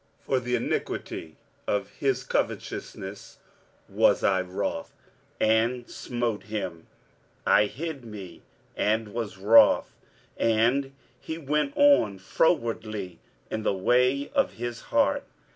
23:057:017 For the iniquity of his covetousness was I wroth, and smote him: I hid me, and was wroth, and he went on frowardly in the way of his heart.